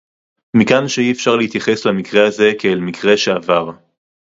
מכאן שאי-אפשר להתייחס למקרה הזה כאל מקרה שעבר